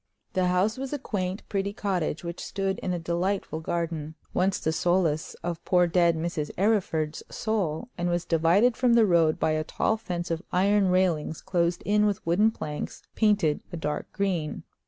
The house was a quaint, pretty cottage, which stood in a delightful garden—once the solace of poor dead Mrs. Arryford's soul—and was divided from the road by a tall fence of iron railings closed in with wooden planks painted a dark green.